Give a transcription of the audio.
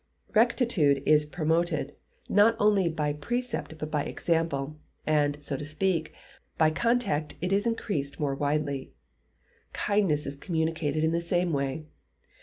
Rectitude is promoted, not only by precept but by example, and, so to speak, by contact it is increased more widely. Kindness is communicated in the same way.